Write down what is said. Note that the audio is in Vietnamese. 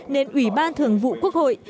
nên ủy ban thường vụ quốc hội